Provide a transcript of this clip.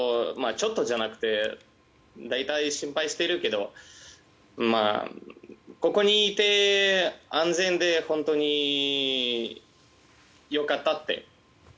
ちょっとじゃなくて大体、心配しているけどここにいて安全で本当に良かったって。